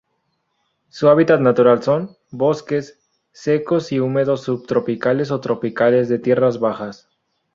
Su hábitat natural son: Bosques, secos y húmedos subtropicales o tropicales de tierras bajas.